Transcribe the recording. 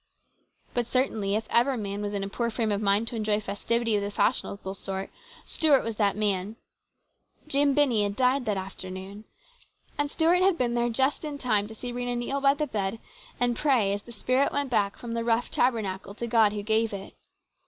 But certainly, if ever man was in a poor frame of mind to enjoy festivity of the fashionable sort, Stuart was that man. Jim Binney had died that afternoon, and Stuart had been there just in time to see Rhena kneel by the bed and pray as the spirit went back from the rough tabernacle to 212 HIS BROTHER'S KEEPER. God who gave it.